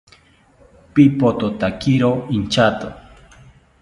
Pipothotakiro inchato